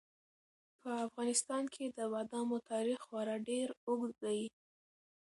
په افغانستان کې د بادامو تاریخ خورا ډېر اوږد دی.